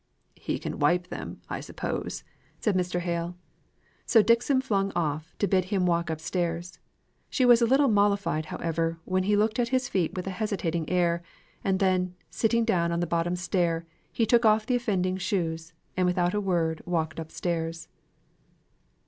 "He can wipe them, I suppose," said Mr. Hale. So Dixon flung off, to bid him walk up stairs. She was a little mollified, however, when he looked at his feet with a hesitating air; and then, sitting down on the bottom stair, he took off the offending shoes, and without a word walked up stairs.